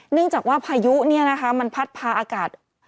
เนื่องจากว่าพายุมันพัดพาอากาศ